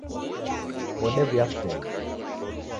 Odew'uya sena